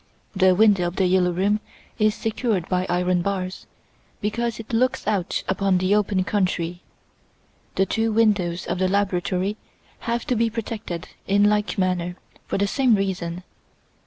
The window of "The Yellow Room" is secured by iron bars, because it looks out upon the open country; the two windows of the laboratory have to be protected in like manner for the same reason.